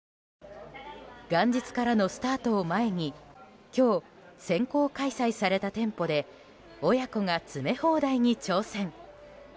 元日からのスタートを前に今日、先行開催された店舗で親子が詰め放題に挑戦。